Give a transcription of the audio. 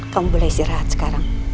kamu boleh istirahat sekarang